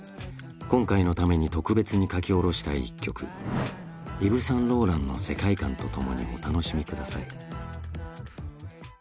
今回のために特別に書き下ろした一曲イヴ・サンローランの世界観と共にお楽しみください